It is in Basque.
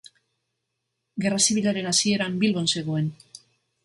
Gerra Zibilaren hasieran Bilbon zegoen.